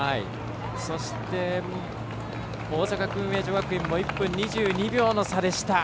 そして、大阪薫英女学院も１分２２秒の差でした。